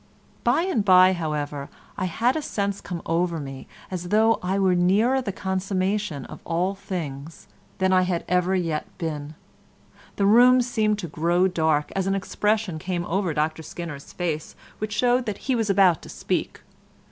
By and by, however, I had a sense come over me as though I were nearer the consummation of all things than I had ever yet been. The room seemed to grow dark, as an expression came over Dr Skinner's face, which showed that he was about to speak.